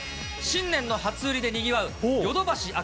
新年の初売りでにぎわうヨドバシ